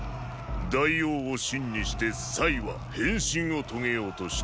大王を芯にしては変身をとげようとしている。